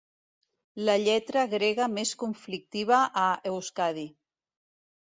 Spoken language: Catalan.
La lletra grega més conflictiva a Euskadi.